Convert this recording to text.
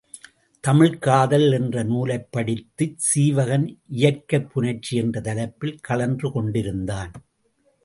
தமிழ்க் காதல் என்ற நூலைப் படித்துச் சீவகன் இயற்கைப் புணர்ச்சி என்ற தலைப்பில் சுழன்று கொண்டிருந்தான்.